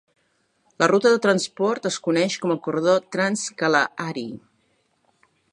La ruta de transport es coneix com el corredor Trans-Kalahari.